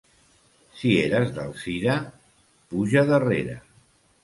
Si eres d'Alzira... puja darrere.